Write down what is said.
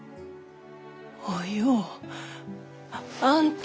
おようあんた！